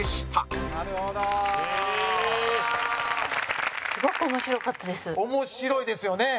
蛍原：面白いですよね。